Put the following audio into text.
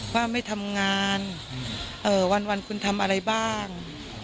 ว่าไม่ทำงานวันคุณทำอะไรบ้าง